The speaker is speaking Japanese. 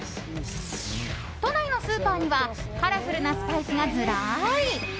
都内のスーパーにはカラフルなスパイスがずらり。